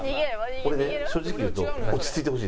俺ね正直に言うと落ち着いてほしいです。